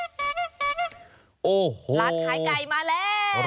ร้านคายไก่มาแล้วโอ้โห